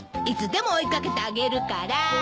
いつでも追い掛けてあげるから。